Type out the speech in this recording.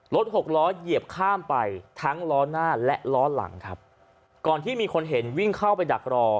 หกล้อเหยียบข้ามไปทั้งล้อหน้าและล้อหลังครับก่อนที่มีคนเห็นวิ่งเข้าไปดักรอ